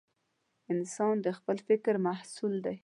انسان د خپل فکر محصول دی.